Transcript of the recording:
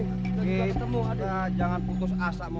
gede kita jangan putus asamu